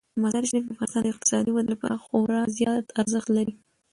مزارشریف د افغانستان د اقتصادي ودې لپاره خورا ډیر ارزښت لري.